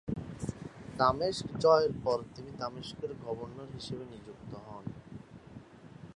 দামেস্ক জয়ের পর তিনি দামেস্কের গভর্নর হিসেবে নিযুক্ত হন।